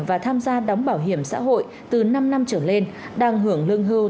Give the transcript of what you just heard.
và tham gia đóng bảo hiểm xã hội từ năm năm trở lên đang hưởng lương hưu